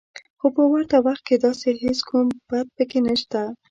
خو په ورته وخت کې داسې هېڅ کوم بد پکې نشته